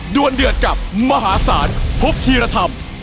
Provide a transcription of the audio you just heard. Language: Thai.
วนเดือดกับมหาศาลพบธีรธรรม